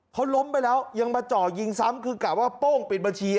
เขาล้มไปแล้วยังมาจ่อยิงซ้ำคือกะว่าโป้งปิดบัญชี